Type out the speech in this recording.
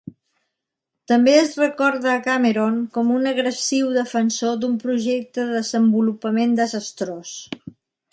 També es recorda a Cameron com un agressiu defensor d'un projecte de desenvolupament desastrós.